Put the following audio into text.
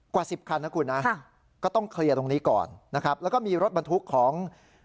กว่าสิบคันนะคุณนะก็ต้องเคลียร์ตรงนี้ก่อนนะครับแล้วก็มีรถบรรทุกของ